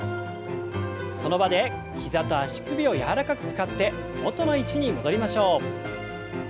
その場で膝と足首を柔らかく使って元の位置に戻りましょう。